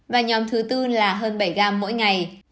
và nhóm thứ tư là hơn bảy gram mỗi ngày